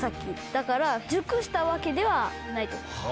だから熟したわけではないと思います。